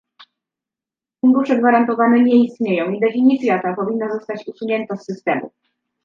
Fundusze gwarantowane nie istnieją i definicja ta powinna zostać usunięta z systemu